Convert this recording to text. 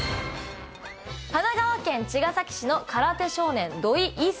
神奈川県茅ヶ崎市の空手少年。